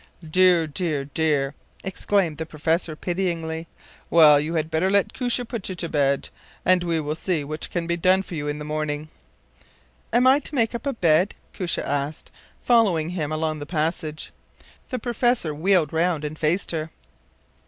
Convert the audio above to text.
” “Dear, dear, dear!” exclaimed the professor, pityingly. “Well, you had better let Koosje put you to bed, and we will see what can be done for you in the morning.” “Am I to make up a bed?” Koosje asked, following him along the passage. The professor wheeled round and faced her.